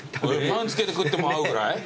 パンつけて食っても合うぐらい？